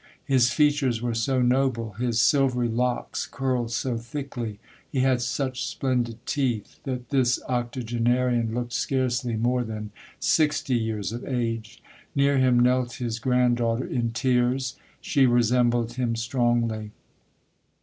His features were so noble, his sil very locks curled so thickly, he had such splendid teeth, that this octogenarian looked scarcely more than sixty years of age. Near him knelt his grand daughter in tears. She resembled him strongly.